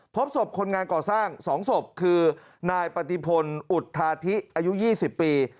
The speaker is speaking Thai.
พบศพคนงานก่อสร้าง๒ศพคือนายปฏิพลอุทาธิอายุ๒๐ปี